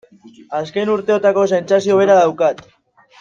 Azken urteotako sentsazio bera daukat.